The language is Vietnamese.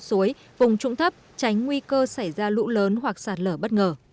sối vùng trụng thấp tránh nguy cơ xảy ra lũ lớn hoặc sạt lở bất ngờ